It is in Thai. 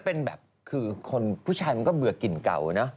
ขอคิดคือผู้ชายมันก็เบื่อกลิ่นเก่านะ